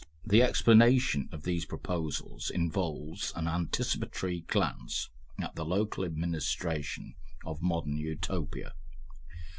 The explanation of these proposals involves an anticipatory glance at the local administration of a Modern Utopia.